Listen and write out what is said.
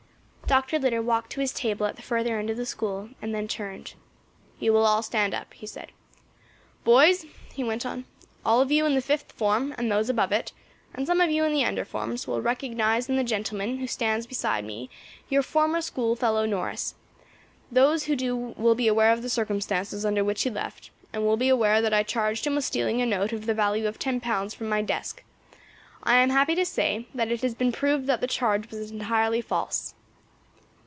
Dr. Litter walked to his table at the further end of the School and then turned. "You will all stand up," he said. "Boys," he went on, "all of you in the Fifth Form, and those above it, and some of you in the under forms, will recognise in the gentleman who stands beside me your former schoolfellow Norris; those who do will be aware of the circumstances under which he left, and will be aware that I charged him with stealing a note of the value of ten pounds from my desk. I am happy to say that it has been proved that charge was entirely false."